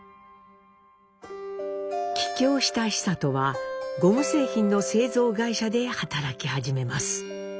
帰郷した久渡はゴム製品の製造会社で働き始めます。